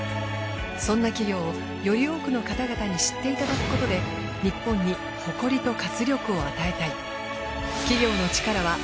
そんな企業をより多くの方々に知っていただくことで日本に誇りと活力を与えたい。